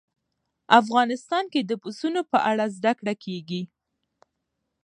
افغانستان کې د پسونو په اړه زده کړه کېږي.